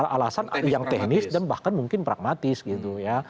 alasan yang teknis dan bahkan mungkin pragmatis gitu ya